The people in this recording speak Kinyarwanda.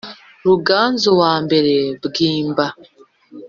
ruganzuwa mbere bwimba